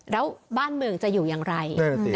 แล้วบ้านเมืองจะอยู่อย่างไร